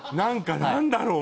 何だろう？